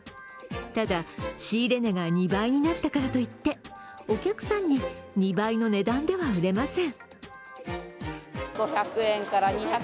ただ、仕入れ値が２倍になったからといってお客さんに２倍の値段では売れません。